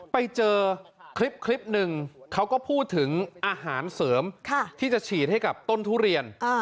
ไปเจอคลิปหนึ่งเขาก็พูดถึงอาหารเสริมที่จะฉีดให้กับต้นทุเรียน